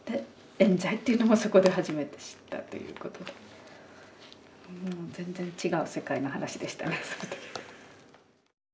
えん罪っていうのもそこで初めて知ったという事で全然違う世界の話でしたねその時は。